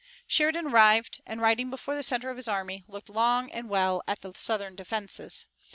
Sheridan arrived and, riding before the center of his army, looked long and well at the Southern defenses.